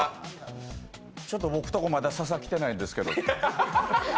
ちょっと僕とこ、まだ笹来てないんですけど。